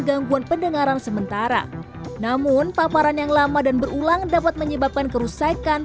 gangguan pendengaran sementara namun paparan yang lama dan berulang dapat menyebabkan kerusakan